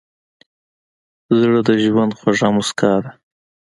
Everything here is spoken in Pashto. زړه د ژوند خوږه موسکا ده.